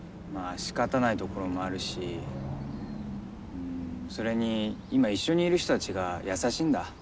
しかたないところもあるしうんそれに今一緒にいる人たちが優しいんだ。